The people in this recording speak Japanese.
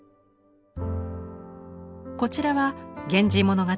こちらは「源氏物語」